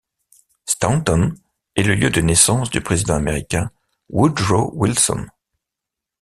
Staunton est le lieu de naissance du président américain Woodrow Wilson.